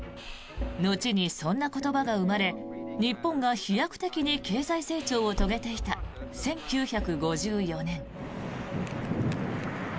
後にそんな言葉が生まれ日本が飛躍的に経済成長を遂げていた１９５４年。